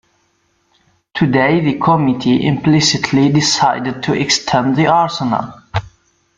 Today the committee implicitly decided to extend the arsenal.